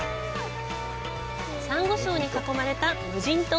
サンゴ礁に囲まれた無人島。